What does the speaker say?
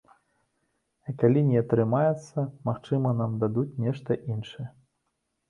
А калі не атрымаецца, магчыма нам дадуць нешта іншае.